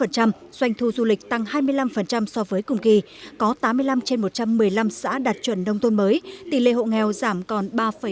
doanh thu du lịch tăng hai mươi năm so với cùng kỳ có tám mươi năm trên một trăm một mươi năm xã đạt chuẩn nông tôn mới tỷ lệ hộ nghèo giảm còn ba một mươi ba